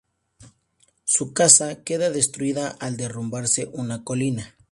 Su casa queda destruida al derrumbarse una colina.